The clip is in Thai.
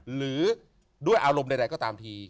หรือด้วยอารมณ์ใดก็ตามที